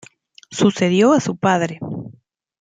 Sucedió a su padre.